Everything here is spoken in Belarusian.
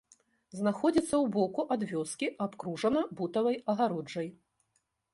Знаходзіцца ў боку ад вёскі, абкружана бутавай агароджай.